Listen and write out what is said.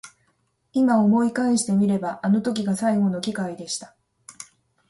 今思い返してみればあの時が最後の機会でした。